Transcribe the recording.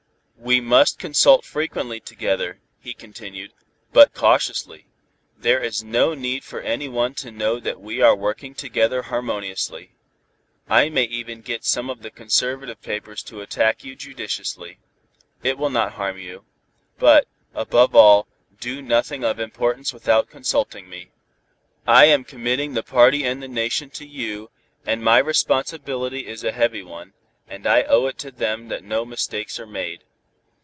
"We must consult frequently together," he continued, "but cautiously. There is no need for any one to know that we are working together harmoniously. I may even get some of the conservative papers to attack you judiciously. It will not harm you. But, above all, do nothing of importance without consulting me. "I am committing the party and the Nation to you, and my responsibility is a heavy one, and I owe it to them that no mistakes are made."